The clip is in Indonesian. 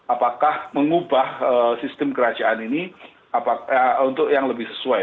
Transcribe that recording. apakah mengubah sistem kerajaan ini untuk yang lebih sesuai